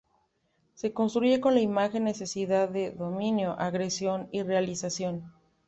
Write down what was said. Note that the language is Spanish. Se construye con la imagen necesidad de dominio, agresión y realización.